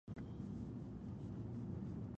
د تورتمونو نه وروسته رڼا راځي.